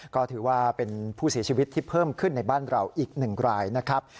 ก็ถือว่าเป็นผู้เสียชีวิตที่เพิ่มขึ้นในบ้านเราอีก๑รายนะครับ